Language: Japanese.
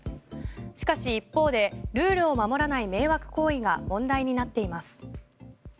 しかし一方でルールを守らない迷惑行為が問題になっています。